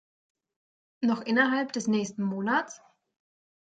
Noch innerhalb des nächsten Monats?